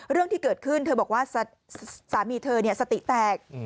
เรื่องที่เกิดขึ้นเธอบอกว่าสามีเธอสติแตก